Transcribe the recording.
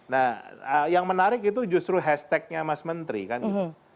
nah yang menarik itu justru hashtagnya mas menteri kan gitu